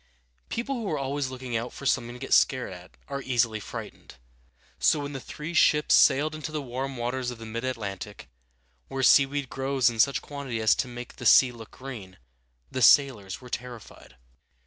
People who are always looking out for something to get scared at are easily frightened; so when the three ships sailed into the warm waters of the middle Atlantic, where seaweed grows in such quantity as to make the sea look green, the sailors were terrified.